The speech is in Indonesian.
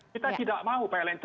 kita tidak mau